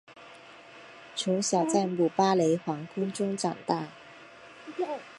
从小在姆巴雷皇宫中长大。